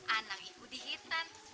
anak ibu dihitan